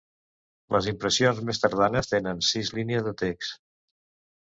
Les impressions més tardanes tenen sis línies de text.